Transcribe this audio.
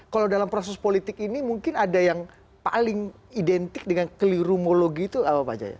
kalau dalam proses politik ini mungkin ada yang paling identik dengan kelirumologi itu apa pak jaya